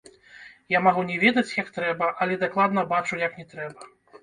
Я магу не ведаць, як трэба, але дакладна бачу, як не трэба.